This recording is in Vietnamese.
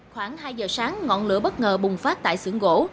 khoảng hai giờ sáng ngọn lửa bất ngờ bùng phát tại sưởng gỗ